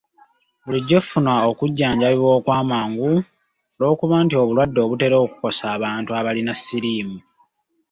Bulijjo funa okujjanjabibwa okw’amangu olw’okuba nti obulwadde obutera okukosa abantu abalina siriimu .